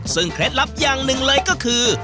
ซึ่งเคล็ดลับอย่างหนึ่งเลยก็คือ